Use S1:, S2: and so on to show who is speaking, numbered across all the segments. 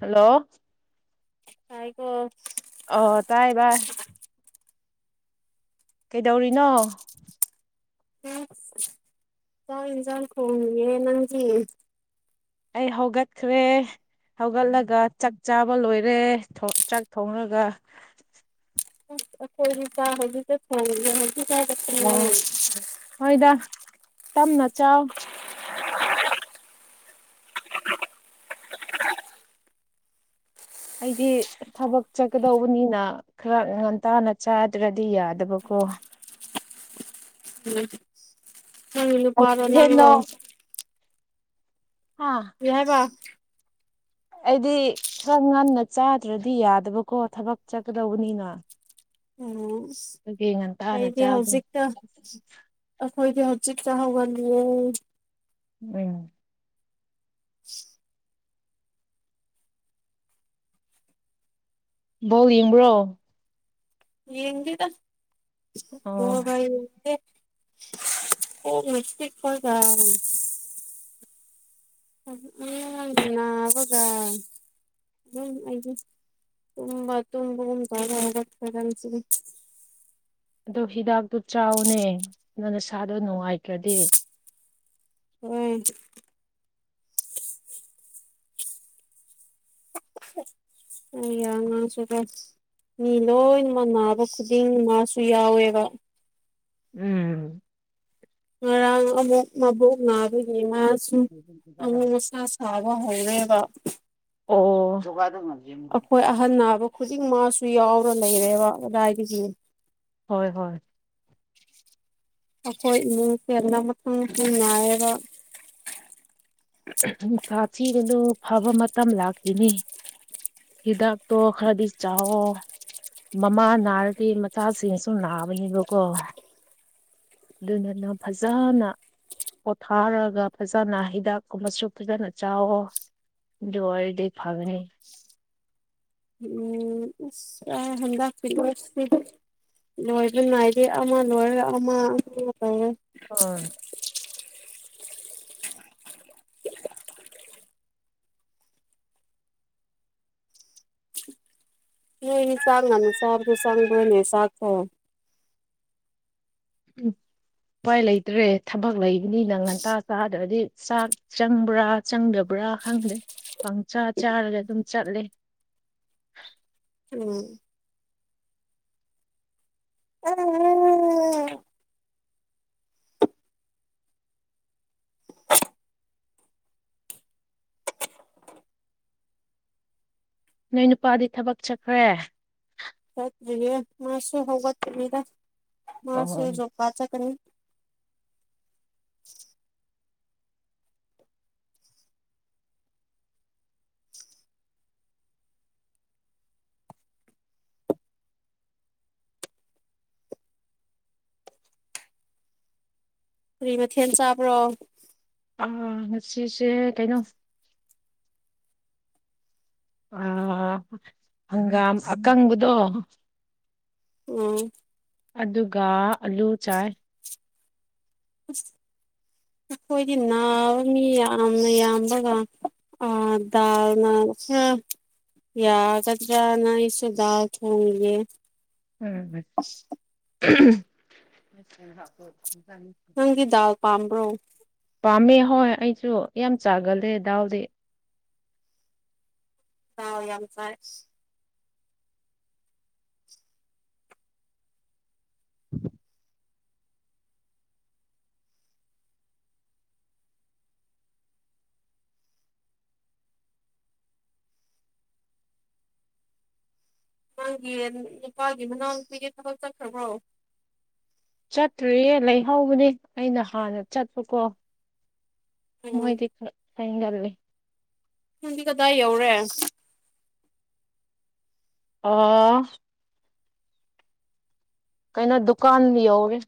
S1: hello
S2: ꯍꯥꯏꯒꯣ
S1: ꯑꯣ ꯇꯥꯏꯕ ꯀꯩꯗꯧꯔꯤꯅꯣ
S2: ꯏꯟꯖꯥꯡ ꯀꯣꯦ ꯅꯪꯒꯤ
S1: ꯑꯩ ꯍꯧꯒꯠꯈ꯭ꯔꯦ ꯍꯧꯒꯠꯂꯒ ꯆꯥꯛ ꯆꯥꯕ ꯂꯣꯏꯔꯦ ꯆꯥꯛ ꯊꯣꯡꯡꯂꯒ
S2: ꯈꯣꯏ ꯆꯥ ꯍ ꯀ ꯐꯣꯡ ꯍꯧ ꯆꯥ ꯐ
S1: ꯑꯣ ꯍꯣꯏꯗ ꯇꯞꯅ ꯆꯥꯎ ꯑꯩꯗꯤ ꯊꯕꯛ ꯆꯠꯀꯗꯧꯕꯅꯤꯅ ꯈꯔ ꯉꯟꯇꯥꯅ ꯆꯥꯗ꯭ꯔꯗꯤ ꯌꯥꯗꯕꯀꯣ
S2: ꯎꯝ ꯍꯃꯤꯅꯨ ꯄꯥꯔꯣ ꯂꯪꯒꯣ
S1: ꯀꯩꯊꯦꯜꯅꯣ ꯍꯥꯥ
S2: ꯌꯥꯍꯥꯏꯕ
S1: ꯑꯩꯗꯤ ꯈꯔ ꯉꯟꯅ ꯆꯥꯗ꯭ꯔꯗꯤ ꯌꯥꯗꯕꯀꯣ ꯊꯕꯛ ꯆꯠꯀꯗꯧꯕꯅꯤꯅ
S2: ꯑꯣ
S1: ꯑꯗꯨꯒꯤ ꯉꯟꯇꯥꯅ
S2: ꯑꯩꯗꯤ
S1: ꯆꯥꯕꯅꯤ
S2: ꯍꯧꯖꯤꯛꯇ ꯑꯩꯈꯣꯏꯗꯤ ꯍꯧꯖꯤꯛ ꯆ ꯍꯧꯒꯜꯂꯨ
S1: ꯎꯝ
S2: ꯎ
S1: ꯣ ꯏ꯭ꯔꯣ
S2: ꯌꯦꯗ
S1: ꯑꯣ
S2: ꯍꯕꯦ ꯀꯣꯛꯅ ꯆꯤꯛꯄꯀꯥꯜ [unintelligible] ꯅꯥꯕꯒ ꯎꯝ ꯑꯩꯗꯤ ꯇꯨꯝꯕ ꯇꯨꯝꯕꯒꯨꯝ [unintelligible]
S1: ꯑꯗꯣ ꯍꯤꯗꯥꯛꯇꯨ ꯆꯥꯎꯅꯦ ꯅꯪ ꯅꯁꯥꯗꯣ ꯅꯨꯡꯉꯥꯏꯇ꯭ꯔꯗꯤ
S2: ꯎꯝ ꯌꯥ ꯉꯥꯡꯁꯨꯀꯣ ꯃꯤ ꯂꯣꯏꯃ ꯅꯥꯕ ꯈꯨꯗꯤꯡ ꯃꯥꯁꯨ ꯌꯥꯎꯋꯦꯕ
S1: ꯎꯝ
S2: ꯉꯔꯥꯡ ꯑꯃꯨꯛ ꯃꯕꯣꯛ ꯅꯥꯕꯒꯤ ꯃꯥꯁꯨ ꯑꯃꯨꯛ ꯃꯁꯥ ꯅꯥꯕ ꯍꯧꯔꯦꯕ
S1: ꯑꯣ [inaudible]
S2: ꯑꯩꯈꯣꯏ ꯑꯍꯟ ꯅꯥꯕ ꯈꯨꯗꯤꯡ ꯃꯥꯁꯨ ꯌꯥꯎꯔ ꯂꯩꯔꯦꯕ ꯑꯗꯨꯗꯥꯏꯗꯒꯤ
S1: ꯍꯣꯏ ꯍꯣꯏ
S2: ꯑꯩꯈꯣꯏ ꯏꯃꯨꯡꯁꯦꯜ ꯑꯃ [unintelligible] ꯅꯥꯏꯌꯦꯕ
S1: ꯅꯨꯡꯁꯥ ꯊꯤꯔꯨꯅꯨ ꯐꯕ ꯃꯇꯝ ꯂꯥꯛꯈꯤꯅꯤ ꯍꯤꯗꯥꯛꯇꯣ ꯈꯔꯗꯤ ꯆꯥꯋꯣ ꯃꯃꯥ ꯅꯥꯔꯗꯤ ꯃꯆꯥꯁꯤꯡꯁꯨ ꯅꯥꯕꯅꯦꯕꯀꯣ ꯑꯗꯨꯗꯨꯅ ꯐꯖꯅ ꯄꯣꯊꯥꯔꯒ ꯐꯖꯅ ꯍꯤꯗꯥꯛ ꯀꯨꯝꯕꯁꯨ ꯐꯖꯅ ꯆꯥꯋꯣ ꯑꯗꯨ ꯑꯣꯏꯔꯗꯤ ꯐꯒꯅꯤ
S2: ꯎꯝ ꯑꯁ ꯍꯟꯗꯛꯗꯤ [unintelligible] ꯂꯣꯏꯕ ꯅꯥꯏꯗꯦ ꯑꯃ ꯂꯣꯏꯔꯦ ꯑꯃ ꯑꯃ ꯂꯣꯏꯔꯥ
S1: ꯑꯥ
S2: ꯅꯣꯢ ꯑꯅꯤ ꯆꯥꯛ ꯉꯟ ꯆꯥꯕꯗꯣ ꯆꯡꯕ꯭ꯔꯣꯅꯦ ꯆꯥꯛꯇꯣ
S1: ꯎꯝ ꯎꯄꯥꯏ ꯂꯩꯇ꯭ꯔꯦ ꯊꯕꯛ ꯂꯩꯕꯅꯤ ꯅ ꯉꯟꯇꯥ ꯆꯥꯗ꯭ꯔꯗꯤ ꯆꯥꯛ ꯆꯪꯕ꯭ꯔꯥ ꯆꯪꯗꯕ꯭ꯔꯥ ꯈꯪꯗ꯭ꯔꯦ ꯄꯪꯆꯥꯥ ꯆꯥꯔꯒ ꯑꯗꯨꯝ ꯆꯠꯂꯦ
S2: ꯎꯝ [unintelligible]
S1: ꯅꯣꯏ ꯅꯨꯄꯥꯗꯤ ꯊꯕꯛ ꯆꯠꯈ꯭ꯔꯦ
S2: ꯆꯠꯇ꯭ꯔꯤꯌꯦ ꯃꯥꯁꯨ ꯍꯧꯒꯠꯇ꯭ꯔꯤꯗ ꯃꯥꯁꯨ
S1: ꯑꯣ
S2: ꯖꯣꯕ ꯀꯥꯗ ꯆꯠꯀꯅꯤ ꯀꯔꯤ ꯃꯊꯦꯜ ꯆꯥꯕ꯭ꯔꯣ
S1: ꯎꯝ ꯉꯁꯤꯁꯦ ꯀꯩꯅꯣ ꯑ ꯍꯪꯒꯥꯝ ꯑꯀꯪꯕꯗꯣ
S2: ꯎꯝ
S1: ꯑꯗꯨꯒ ꯑꯥꯂꯨ ꯆꯥꯏ
S2: ꯑꯩꯈꯣꯏꯗꯤ ꯅꯥꯕ ꯃꯤ ꯌꯥꯝꯅ ꯌꯥꯝꯕꯒ ꯑ ꯗꯥꯜꯅ ꯈꯔ [unintelligible] ꯌꯥꯒꯗ꯭ꯔ ꯅꯪꯢꯁꯨ ꯗꯥꯜ ꯊꯣꯡꯏ
S1: ꯎꯝ [inaudible]
S2: ꯅꯪꯢꯒꯤ ꯗꯥꯜ ꯄꯥꯝꯕ꯭ꯔꯣ
S1: ꯄꯥꯝꯃꯦ ꯍꯣꯏ ꯑꯩꯁꯨ ꯌꯥꯝ ꯆꯥꯒꯜꯂꯦ ꯗꯥꯎꯗꯤ
S2: ꯊꯥꯎ ꯌꯥꯝ ꯆꯥꯢ
S1: [inaudible]
S2: ꯅꯪꯒꯤ ꯅꯨꯄꯥꯒꯤ ꯃꯅꯥꯎꯄꯤꯒꯤ ꯊꯕꯛ ꯆꯠꯈ꯭ꯔꯕ꯭ꯔꯣ
S1: ꯆꯠꯇ꯭ꯔꯤꯌꯦ ꯂꯩꯍꯧꯕꯅꯦ ꯑꯩꯅ ꯍꯥꯟꯅ ꯆꯠꯄꯀꯣ
S2: ꯎꯝ
S1: ꯃꯣꯏꯗꯤ ꯍꯣꯢ ꯌꯥꯝ ꯉꯂꯤ
S2: ꯅꯪꯗꯤ ꯀꯗꯥꯏ ꯌꯧꯔꯦ
S1: ꯑꯣ ꯀꯩꯅꯣ ꯗꯨꯀꯥꯟ ꯌꯧꯔꯦ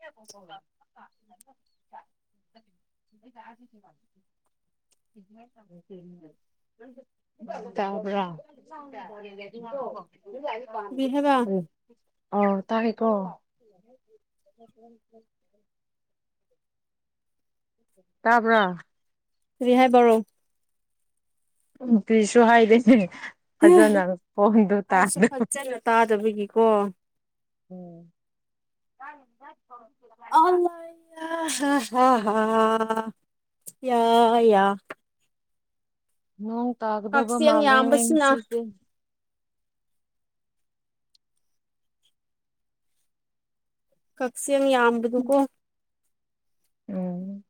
S1: [unintelligible] [unintelligible] ꯇꯕ꯭ꯔꯥ
S2: ꯀꯔꯤ ꯍꯥꯏꯕ
S1: ꯑꯧ ꯇꯥꯔꯦꯀꯣ [inaudible] [unintelligible] ꯇꯕ꯭ꯔꯥ
S2: ꯍꯨꯖꯤꯛ ꯍꯥꯏꯕꯔꯣ
S1: ꯅꯨꯡꯇꯤꯁꯨ ꯍꯥꯏꯗꯦꯅꯦ ꯐꯖꯅ ꯐꯣꯟꯗꯣ
S2: ꯑꯩꯁꯨ
S1: ꯇꯥꯗꯕ
S2: ꯐꯖꯅ ꯇꯥꯗꯕꯒꯤꯀꯣ
S1: ꯎꯝ [unintelligible]
S2: ꯑꯂꯌꯥ ꯍ ꯍ ꯍ ꯌꯥ ꯌꯥ
S1: ꯅꯣꯡ ꯇꯥꯒꯗꯕ
S2: ꯀꯛꯆꯦꯡ
S1: ꯃꯥꯂꯦ ꯌꯦ
S2: ꯌꯥꯝꯕꯁꯤꯅ
S1: ꯉꯥꯁꯤꯇꯤ
S2: ꯀꯛꯆꯦꯡ ꯌꯥꯝꯕꯗꯨ ꯀꯣ
S1: ꯎꯝ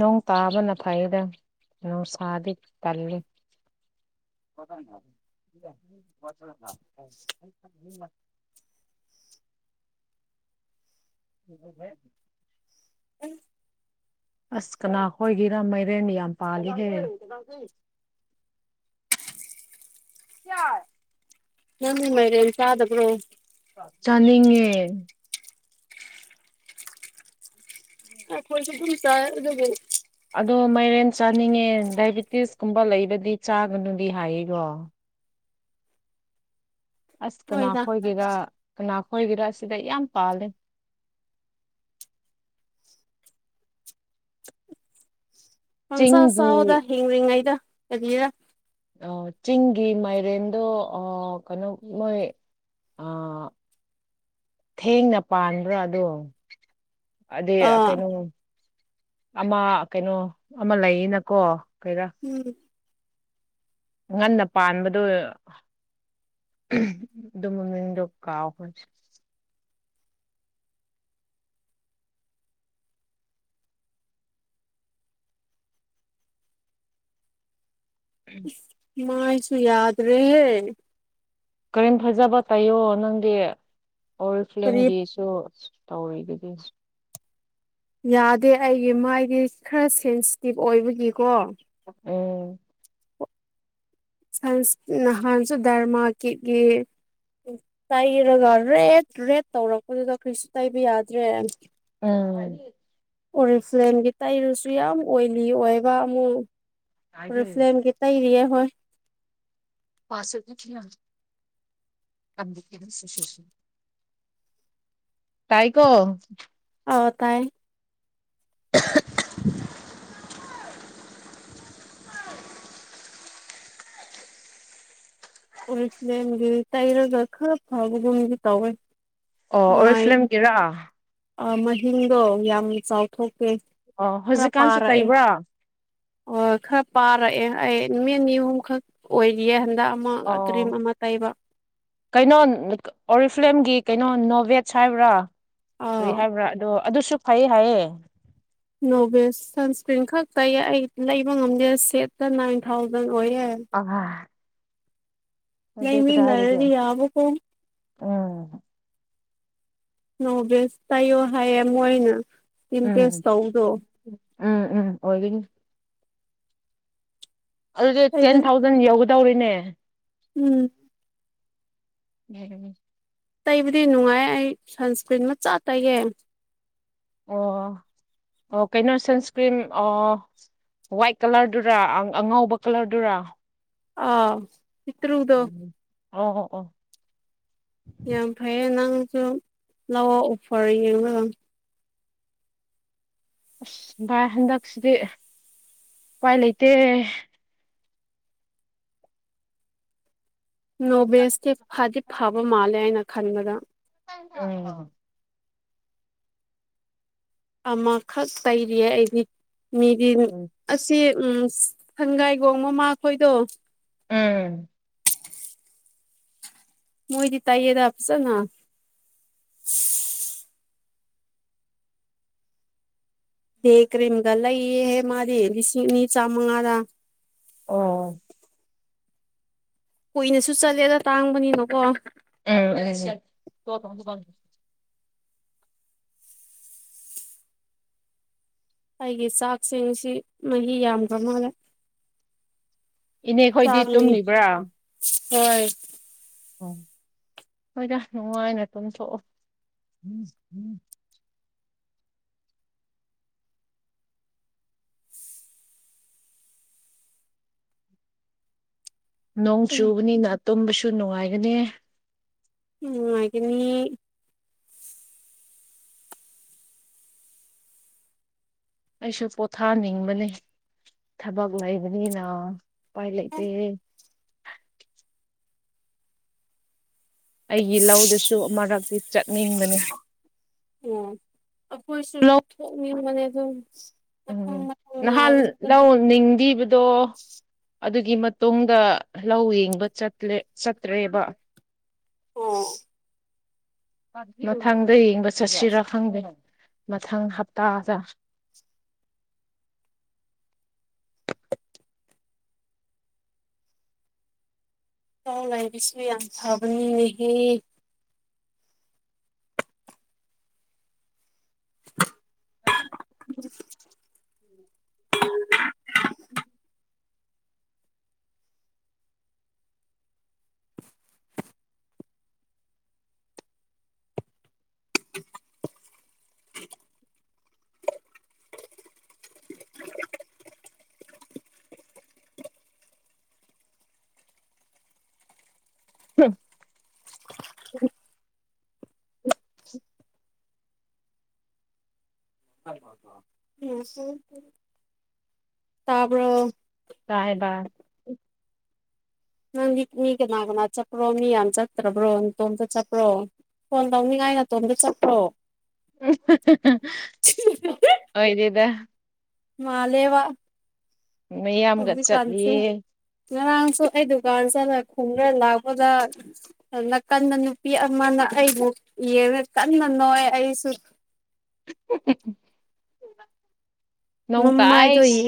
S1: ꯅꯣꯡ ꯇꯥꯕꯅ ꯐꯩꯌꯦꯗ ꯅꯨꯡꯁꯥꯗꯤ ꯇꯜꯂꯤ [unintelligible] [unintelligible]
S2: ꯑꯩ
S1: ꯑꯁ ꯀꯅꯥ ꯍꯣꯏꯒꯤꯔꯥ ꯃꯩꯔꯦꯟ ꯌꯥꯝ ꯄꯥꯜꯂꯤꯍꯦ [unintelligible]
S2: ꯅꯪꯗꯤ ꯃꯩꯔꯦꯟ ꯆꯗꯕ꯭ꯔꯣ
S1: ꯆꯥꯅꯤꯡꯉꯦ
S2: ꯑꯩꯈꯣꯏꯁꯨ ꯄꯨꯟꯅ ꯆꯥꯏ ꯑꯗꯨꯒꯤ
S1: ꯑꯗꯣ ꯃꯩꯔꯦꯟ ꯆꯥꯅꯤꯡꯉꯦ ꯗꯥꯏꯕꯤꯇꯤꯁ ꯀꯨꯝꯕ ꯂꯩꯕꯗꯤ ꯆꯥꯒꯅꯨꯗꯤ ꯍꯥꯏꯕꯔꯣ ꯑꯁ
S2: ꯍꯣꯏꯗ
S1: ꯀꯅꯥꯈꯣꯏꯒꯤꯔ ꯀꯅꯥꯈꯣꯏꯒꯤꯔ ꯁꯤꯗ ꯌꯥꯝ ꯄꯥꯜꯂꯦ
S2: ꯄꯪꯆꯥ
S1: ꯆꯤꯡꯒꯤ
S2: ꯆꯥꯎꯗ ꯍꯤꯡꯔꯤꯉꯩꯗ ꯀꯔꯤꯔꯥ
S1: ꯑ ꯆꯤꯡꯒꯤ ꯃꯥꯏꯔꯦꯟꯗꯣ ꯑ ꯀꯩꯅꯣ ꯅꯣꯏ ꯑ ꯊꯦꯡꯅ ꯄꯥꯟꯕ꯭ꯔꯥ ꯑꯗꯨ ꯑꯗꯩ
S2: ꯑꯥ
S1: ꯀꯩꯅꯣ ꯑꯃ ꯀꯩꯅꯣ ꯑꯃ ꯂꯩꯌꯦꯅꯀꯣ ꯀꯩꯔꯥ
S2: ꯎꯝ
S1: ꯉꯟꯅ ꯄꯥꯟꯕꯗꯨ ꯑꯗꯨ ꯃꯃꯤꯡꯗꯨ ꯀꯥꯎꯈꯔꯦ
S2: ꯃꯥꯏꯁꯨ ꯌꯥꯗꯔꯦꯍꯦ
S1: ꯀꯔꯤꯝ ꯐꯖꯕ ꯇꯩꯌꯣ ꯅꯪꯗꯤ
S2: ꯀꯔꯤ
S1: ꯑꯣꯔꯤꯐ꯭ꯂꯦꯝꯒꯤꯁ ꯑꯗꯨ ꯇꯧꯔꯤꯗꯨꯗꯤ
S2: ꯌꯥꯗꯦ ꯑꯩꯒꯤ ꯃꯥꯏꯗꯤ ꯈꯔ ꯁꯦꯟꯁꯤꯇꯤꯞ ꯑꯣꯏꯕꯒꯤꯀꯣ
S1: ꯎꯝ
S2: ꯁꯟꯁ ꯅꯍꯥꯟꯁꯨ ꯗꯔꯃꯥ ꯀꯤꯠꯒꯤ ꯇꯩꯔꯒ ꯔꯦꯠ ꯔꯦꯠ ꯇꯧꯔꯛꯄꯗꯨꯗ ꯀꯩꯁꯨ ꯇꯩꯕ ꯌꯥꯗ꯭ꯔꯦ
S1: ꯎꯝ
S2: ꯑꯣꯔꯤ ꯐ꯭ꯂꯦꯝꯒꯤ ꯇꯩꯔꯁꯨ ꯌꯥꯝ ꯑꯣꯏꯂꯤ ꯑꯣꯏꯕ ꯑꯃꯨꯛ ꯑꯣꯔꯤ ꯐ꯭ꯂꯦꯝꯒꯤ ꯇꯩꯔꯤꯌꯦ ꯍꯣꯏ
S1: ꯄꯥꯁꯨ [unintelligible] ꯇꯥꯏꯀꯣ
S2: ꯑ ꯇꯥꯏ
S1: [unintelligible]
S2: ꯎꯔꯤ ꯐꯂꯦꯝꯒꯤ ꯇꯩꯔꯒ ꯈꯔ ꯐꯕꯒꯨꯝꯗꯤ ꯇꯧꯋꯦ
S1: ꯑꯣ ꯑꯣꯔꯤ
S2: ꯃꯥꯏ
S1: ꯐꯂꯦꯝꯒꯤꯔꯥ
S2: ꯑꯥ ꯃꯥꯍꯤꯡꯗꯣ ꯌꯥꯝ ꯆꯥꯎꯊꯣꯛꯈ꯭ꯔꯦ
S1: ꯑꯣ ꯍꯧꯖꯤꯛꯀꯥꯟꯁꯨ ꯇꯩꯕ꯭ꯔꯥ
S2: ꯑꯣ ꯈꯔ ꯄꯥꯔꯛꯑꯦ ꯑꯩ ꯅꯨꯃꯤꯠ ꯅꯤ ꯑꯍꯨꯝꯈꯛ ꯑꯣꯏꯔꯤꯌꯦ ꯍꯟꯗꯛ ꯃ ꯀꯔꯤꯝ
S1: ꯑꯣ
S2: ꯑꯃꯥ ꯇꯩꯕ
S1: ꯀꯩꯅꯣ ꯑꯣꯔꯤꯐꯦꯝꯒꯤ ꯀꯩꯅꯣ ꯅꯣꯕꯦꯠꯁ ꯍꯥꯏꯕ꯭ꯔꯥ ꯀꯔꯤ
S2: ꯑꯥ
S1: ꯍꯥꯏꯕ꯭ꯔꯥ ꯑꯗꯣ ꯑꯗꯨꯁꯨ ꯐꯩꯌꯦ ꯍꯥꯏꯌꯦ
S2: ꯅꯣꯚꯦꯁ ꯁꯟꯁꯀ꯭ꯔꯤꯟ ꯈꯛ ꯇꯩꯌꯦ ꯑꯩ ꯂꯩꯕ ꯉꯝꯗꯦ ꯁꯦꯠꯇ ꯅꯥꯏꯟ ꯊꯥꯎꯖꯟ ꯑꯣꯏꯌꯦ
S1: ꯑꯣꯍ ꯀꯗꯥꯏꯗꯒꯤ
S2: ꯂꯩꯃꯤꯟꯅꯔꯘꯤ ꯌꯥꯕ ꯀꯣ
S1: ꯎꯝ
S2: ꯅꯣ ꯚꯦꯖ ꯇꯥꯏꯌꯣ ꯍꯥꯏꯌꯦ ꯃꯣꯏꯅ
S1: ꯎꯝ
S2: ꯏꯝꯇꯦꯖ ꯇꯧꯗ꯭ꯔꯣ
S1: ꯎꯝ ꯎꯝ ꯑꯣꯏꯕꯅꯤ ꯑꯗꯨꯗꯤ ꯇꯦꯟ
S2: ꯇꯩꯕ
S1: ꯊꯥꯎꯖꯟ ꯌꯧꯒꯗꯧꯔꯤꯅꯦ
S2: ꯎꯝ
S1: ꯎꯝ
S2: ꯇꯩꯕꯗꯤ ꯅꯨꯡꯉꯥꯏ ꯑꯩ ꯁꯟꯁꯀ꯭ꯔꯤꯟ ꯃꯆꯥ ꯇꯩꯌꯦ
S1: ꯑꯣ ꯑꯣ ꯀꯩꯅꯣ ꯁꯟꯁꯀ꯭ꯔꯤꯟ ꯑꯣ ꯋꯥꯏꯠ ꯀꯂꯔꯗꯨꯔ ꯑꯉꯧꯕ ꯀꯂꯔꯗꯨꯔꯥ
S2: ꯑꯥ ꯄꯤꯇ꯭ꯔꯨꯗꯣ
S1: ꯑꯝ ꯑꯣ ꯑꯣ
S2: ꯌꯥꯝ ꯐꯩꯌꯦ ꯅꯪꯁꯨ ꯂꯥꯎꯑꯣ ꯑꯣꯐꯔ ꯌꯦꯡꯂꯒ
S1: ꯑꯁ ꯚꯥꯏ ꯍꯟꯗꯛꯁꯤꯗꯤ ꯎꯄꯥꯏ ꯂꯩꯇꯦ
S2: ꯅꯣꯕꯦꯁꯇꯤ ꯐꯗꯤ ꯐꯕ ꯃꯥꯜꯂꯦ ꯑꯩꯅ ꯈꯟꯕꯗ
S1: ꯑꯣ
S2: ꯑꯃꯈꯛ ꯂꯩꯔꯤꯌꯦ ꯑꯩꯗꯤ ꯃꯤꯗꯤ
S1: ꯎꯝ
S2: ꯑꯁꯤ ꯎꯝ ꯁꯪꯒꯥꯏꯒꯣꯡ ꯃꯃꯈꯣꯏꯗꯣ
S1: ꯎꯝ
S2: ꯃꯣꯏꯗꯤ ꯇꯥꯏꯌꯦꯗ ꯐꯖꯅ ꯗꯦ ꯀ꯭ꯔꯤꯝꯒꯂ ꯌꯦꯍꯦ ꯃꯥꯗꯤ ꯂꯤꯁꯤꯅꯤ ꯆꯥꯃꯉꯗ
S1: ꯑꯣ
S2: ꯀꯨꯏꯅꯁꯨ ꯆꯠꯂꯦꯗ ꯇꯥꯡꯕꯅꯤꯅꯀꯣ
S1: [unintelligible]
S2: ꯑꯩꯒꯤ ꯆꯥꯛꯁꯤꯡꯁꯤ ꯃꯍꯤ ꯌꯥꯝꯗ꯭ꯔ ꯃꯥꯜꯂꯦ
S1: ꯏꯅꯦ ꯈꯣꯏꯗꯤ ꯇꯨꯝꯂꯤꯕ꯭ꯔꯥ
S2: ꯍꯣꯢ
S1: ꯑꯣ ꯍꯣꯏꯗ ꯅꯨꯡꯉꯥꯏꯅ ꯇꯨꯝꯊꯣꯛꯑꯣ ꯅꯣꯡ ꯆꯨꯕꯅꯤꯅ ꯇꯨꯝꯕꯁꯨ ꯅꯨꯡꯉꯥꯏꯒꯅꯤ
S2: ꯅꯨꯡꯉꯥꯢꯒꯅꯤ
S1: ꯑꯩꯁꯨ ꯄꯣꯊꯥꯅꯤꯡꯕꯅꯤ ꯊꯕꯛ ꯂꯩꯕꯅꯤꯅ ꯎꯄꯥꯏ ꯂꯩꯇꯦ ꯑꯩꯒꯤ ꯂꯧꯗꯨꯁꯨ ꯃꯔꯛꯇꯤ ꯆꯠꯅꯤꯡꯕꯅꯤ
S2: ꯑꯣ ꯑꯩꯈꯣꯏꯁꯨ ꯂꯧꯊꯣꯛꯅꯤꯡꯕꯅꯦ ꯑꯗꯨꯝ
S1: ꯎꯝ ꯅꯍꯥꯟ ꯂꯧ ꯅꯤꯡꯕꯤꯕꯗꯣ ꯑꯗꯨꯒꯤ ꯃꯇꯨꯡꯗ ꯂꯧ ꯌꯦꯡꯕ ꯆꯠꯂꯦ ꯆꯠꯇ꯭ꯔꯦꯕ
S2: ꯑꯣ
S1: ꯃꯊꯪꯗ ꯌꯦꯡꯕ ꯆꯠꯁꯤꯔꯥ ꯈꯪꯗꯦ ꯃꯊꯪ ꯍꯞꯇꯥꯗ
S2: ꯂꯥꯏꯕꯤꯁꯨ ꯌꯥꯝ ꯐꯕꯅꯤꯅꯦꯍꯦ [unintelligible]
S1: [unintelligible]
S2: [unintelligible]
S1: ꯎꯝ [unintelligible]
S2: [unintelligible] ꯇꯕꯔꯣ
S1: ꯀꯥꯏꯕ
S2: ꯅꯪꯗꯤ ꯃꯤ ꯀꯅꯥ ꯀꯅꯥ ꯆꯠꯄ꯭ꯔꯣ ꯃꯤ ꯌꯥꯝ ꯆꯠꯇ꯭ꯔꯕ꯭ꯔꯣ ꯇꯣꯝꯇ ꯆꯠꯄ꯭ꯔꯣ ꯐꯣꯟ ꯇꯧꯅꯤꯡꯉꯥꯏ ꯅꯥꯇꯣꯝꯗ ꯆꯠꯄ꯭ꯔꯣ
S1: ꯍꯣꯏꯗꯗ
S2: ꯃꯥꯂꯦꯕ
S1: ꯃꯌꯥꯝꯒ ꯆꯠꯂꯤꯌꯦ
S2: ꯉꯔꯥꯡꯁꯨ ꯑꯩ ꯗꯨꯀꯥꯟ ꯆꯠꯂ ꯈꯨꯝꯈ꯭ꯔ ꯂꯥꯛꯄꯗ ꯑꯗꯨꯅ ꯀꯟꯟꯅ ꯅꯨꯄꯤ ꯑꯃꯅ ꯑꯩꯕꯨ ꯌꯦꯉ ꯀꯟꯅ ꯅꯣꯏ ꯑꯩꯁꯨ
S1: ꯅꯣꯡ ꯇꯥꯏ
S2: ꯃꯃꯥꯏꯗꯣ ꯌꯦ